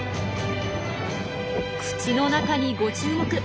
口の中にご注目。